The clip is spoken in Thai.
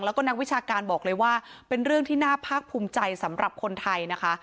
แล้วก็นักวิชาการบอกเลยว่าเป็นเรื่องที่น่าภาคภูมิใจสำหรับคนไทยนะคะ